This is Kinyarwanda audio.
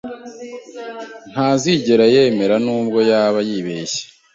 Ntazigera yemera nubwo yaba yibeshye.